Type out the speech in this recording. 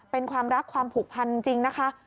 เป็นความรักความผูกพันจริงนะคะ